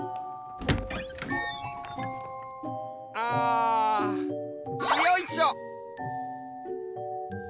あよいしょっ！